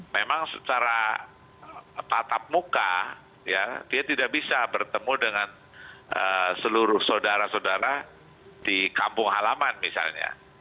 memang secara tatap muka dia tidak bisa bertemu dengan seluruh saudara saudara di kampung halaman misalnya